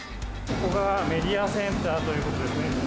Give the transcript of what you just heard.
ここがメディアセンターということですね。